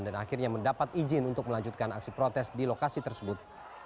dan akhirnya mendapat izin untuk melanjutkan aksi protes di lokasi tersebut